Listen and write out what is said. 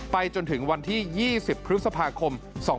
จนถึงวันที่๒๐พฤษภาคม๒๕๖๒